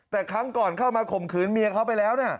แต่ครั้งก่อนเข้ามาข่มขืนเมียเขาไปแล้วนะ